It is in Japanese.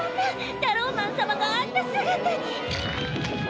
タローマン様があんな姿に！